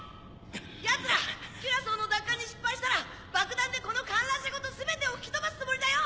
奴らキュラソーの奪還に失敗したら爆弾でこの観覧車ごと全てを吹き飛ばすつもりだよ！